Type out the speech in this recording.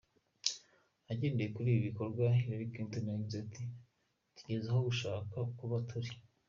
Agendeye kuri ibi bikorwa, Hillary Clinton, yagize ati "Tugeze aho dushaka kuba turi.